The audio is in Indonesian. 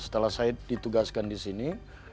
setelah saya ditugaskan di sini